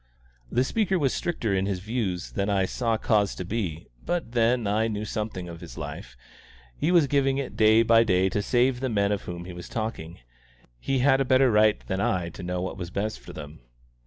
The speaker was stricter in his views than I saw cause to be; but then, I knew something of his life; he was giving it day by day to save the men of whom he was talking. He had a better right than I to know what was best for them.